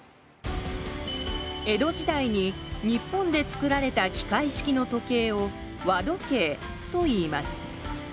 江戸時代に日本でつくられた機械式の時計を「和時計」といいます。